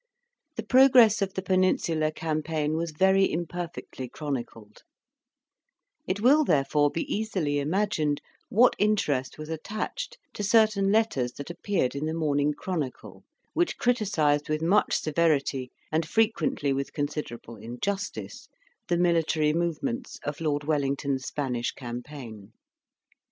The progress of the Peninsular campaign was very imperfectly chronicled; it will, therefore, be easily imagined what interest was attached to certain letters that appeared in the Morning Chronicle which criticised with much severity, and frequently with considerable injustice, the military movements of Lord Wellington's Spanish campaign.